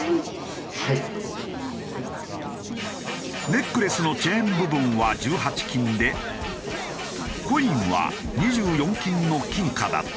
ネックレスのチェーン部分は１８金でコインは２４金の金貨だった。